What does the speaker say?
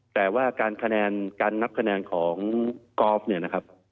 แต่การนับคะแนนของกอลฟเนี่ยนะครับ